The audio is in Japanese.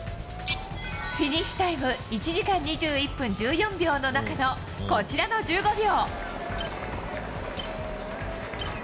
フィニッシュタイム１時間２１分１４秒の中のこちらの１５秒。